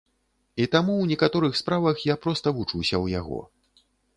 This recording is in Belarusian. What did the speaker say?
І таму ў некаторых справах я проста вучуся ў яго.